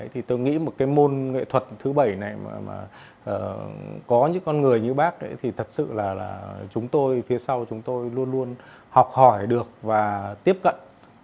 thì tôi nghĩ một cái môn nghệ thuật thứ bảy này mà có những con người như bác ấy thì thật sự là chúng tôi phía sau chúng tôi luôn luôn học hỏi được và tiếp cận